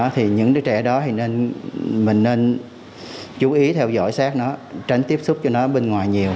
thì những trẻ đó mình nên chú ý theo dõi sát nó tránh tiếp xúc cho nó bên ngoài nhiều